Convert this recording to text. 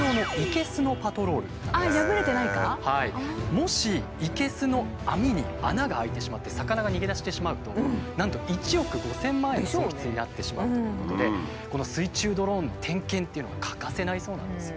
もしいけすの網に穴が開いてしまって魚が逃げ出してしまうとなんと１億５，０００万円の損失になってしまうということでこの水中ドローンの点検というのが欠かせないそうなんですよ。